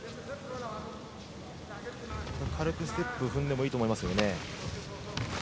軽くステップを踏んでもいいと思いますね。